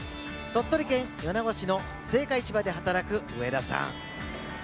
鳥取県米子市の青果市場で働く上田さん。